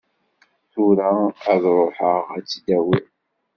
Tura ara ṛuḥeɣ ad tt-id-awiɣ.